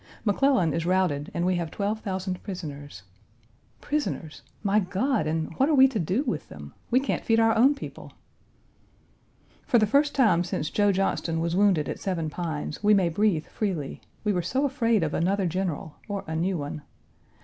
McClellan is routed and we have twelve thousand prisoners. Prisoners! My God! and what are we to do with them? We can't feed our own people. For the first time since Joe Johnston was wounded at Seven Pines, we may breathe freely; we were so afraid of another general, or a new one.